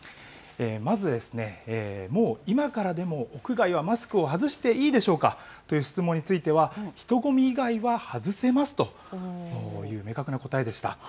まず、もう今からでも屋外はマスクを外していいでしょうかという質問については、人混み以外は外せますと、明確な答えでした。